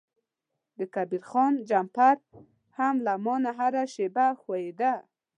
د کبیر خان جمپر هم له ما نه هره شیبه ښویده.